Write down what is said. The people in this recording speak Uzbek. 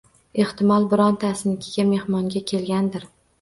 Ehtimol, birortasinikiga mehmonga kelgandir…